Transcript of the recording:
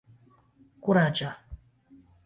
kuraĝa